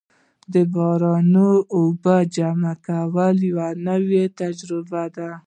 د باراني اوبو جمع کول یوه نوې تجربه ده.